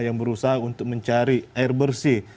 yang berusaha untuk mencari air bersih